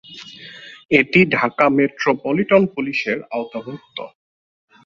এটি ঢাকা মেট্রোপলিটন পুলিশের আওতাভুক্ত।